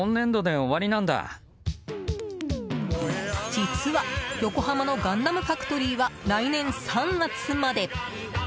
実は、横浜のガンダムファクトリーは来年３月まで。